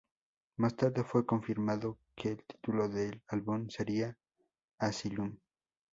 Más tarde fue confirmado que el título del álbum seria "Asylum".